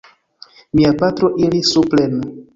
Mia patro iris supren.